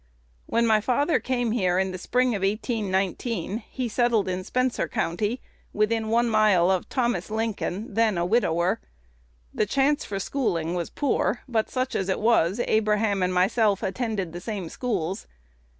"When my father came here in the spring of 1819, he settled in Spencer County, within one mile of Thomas Lincoln, then a widower. The chance for schooling was poor; but, such as it was, Abraham and myself attended the same schools.